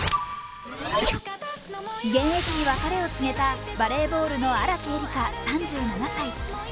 現役に別れを告げたバレーボールの荒木絵里香３７歳。